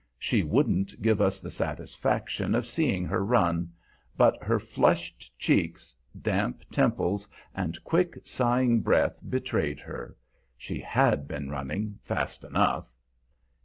She wouldn't give us the satisfaction of seeing her run, but her flushed cheeks, damp temples, and quick, sighing breath betrayed her. She had been running fast enough.